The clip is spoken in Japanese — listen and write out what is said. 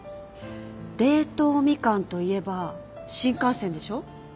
冷凍みかんといえば新幹線でしょ？